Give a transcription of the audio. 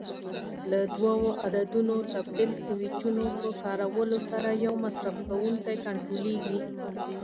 له دوو عددونو تبدیل سویچونو په کارولو سره یو مصرف کوونکی کنټرولېږي.